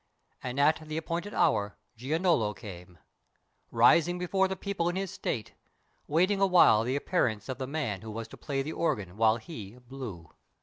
And at the appointed hour Giannolo came, Rising before the people in his state, Waiting awhile the appearance of the man Who was to play the organ while he—blew!